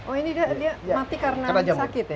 oh ini dia mati karena sakit ya